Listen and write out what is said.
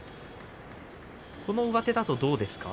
この上手だとどうですか？